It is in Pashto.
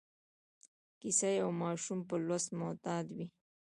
کیسه یو ماشوم په لوست معتادوي.